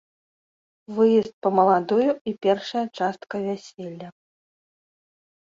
Выезд па маладую і першая частка вяселля.